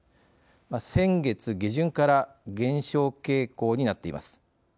先月下旬から減少傾向になっています。